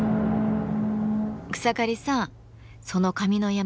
草刈さんその紙の山